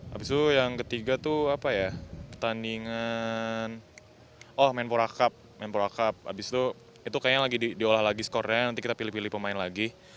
habis itu yang ketiga tuh pertandingan oh men for a cup habis itu kayaknya lagi diolah lagi skornya nanti kita pilih pilih pemain lagi